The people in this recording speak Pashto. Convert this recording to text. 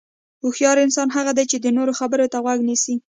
هوښیار انسان هغه دی چې د نورو خبرو ته غوږ نیسي.